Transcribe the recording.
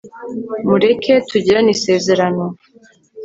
mureke tugirane isezerano